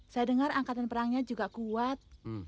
saya dengar angkatan perangnya juga kuat